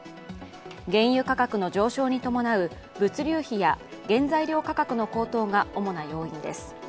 原油価格の上昇に伴う物流費や原材料価格の高騰が主な要因です。